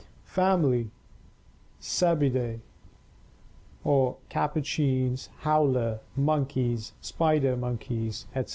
Family Cebidae (capuchins, howler monkeys, spider monkeys, etc.).